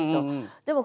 でも